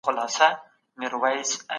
بې طرفي د څېړونکي د شخصیت او کار وقار دی.